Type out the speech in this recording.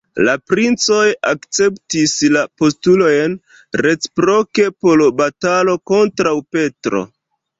La princoj akceptis la postulojn reciproke por batalo kontraŭ Petro.